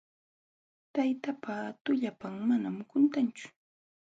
Tayta pa tullapan manam quntanchu.